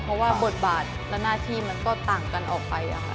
เพราะว่าบทบาทและหน้าที่มันก็ต่างกันออกไป